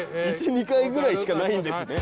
１２回ぐらいしかないんですね。